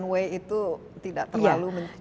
asean way itu tidak terlalu mencampuri